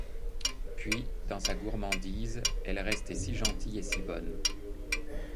Puis, dans sa gourmandise, elle restait si gentille et si bonne!